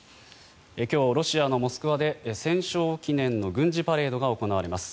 今日、ロシアのモスクワで戦勝記念の軍事パレードが行われます。